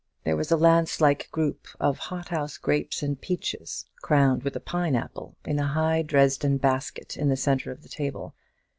There was a Lance like group of hothouse grapes and peaches, crowned with a pine apple, in a high Dresden basket in the centre of the table.